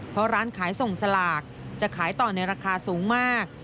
เพราะร้านขายส่งสลากจะขายต่อในราคาสูงมาก